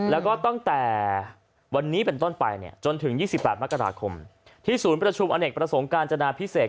แล้วก็ตั้งแต่วันนี้เป็นต้นไปเนี่ยจนถึง๒๘มกราคมที่ศูนย์ประชุมอเนกประสงค์การจนาพิเศษ